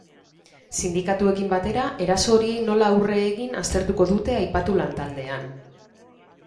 Sindikatuekin batera, eraso horiei nola aurre egin aztertuko dute aipatu lantaldean.